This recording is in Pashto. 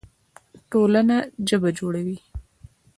ټولنه ژبه جوړوي.